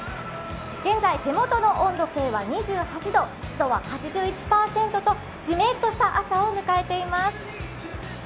現在、手元の温度計は２８度、湿度は８１％とじめっとした朝を迎えています。